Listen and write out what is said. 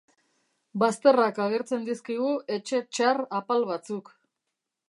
Bazterrak agertzen dizkigu etxe txar apal batzuk.